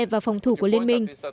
và phòng thủ của liên minh